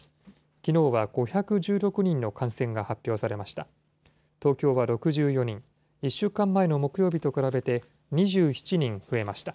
きのうは５１６人の感染が発表されました。